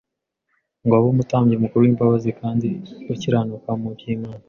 ngo abe umutambyi mukuru w’imbabazi kandi ukiranuka mu by’Imana,